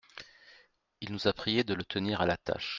Il nous a priés de le tenir à l’attache.